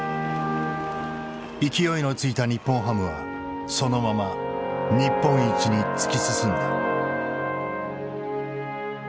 勢いのついた日本ハムはそのまま日本一に突き進んだ。